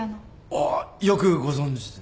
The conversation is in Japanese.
ああよくご存じで。